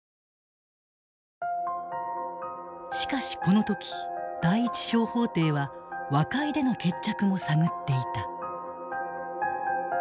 しかしこの時第一小法廷は和解での決着も探っていた。